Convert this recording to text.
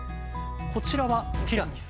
こちらはティラミス。